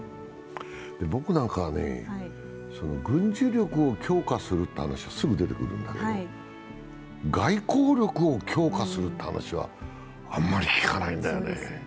僕なんかはね、軍事力を強化するっていう話はすぐ出てくるんだけど外交力を強化するって話はあんまり聞かないんだよね。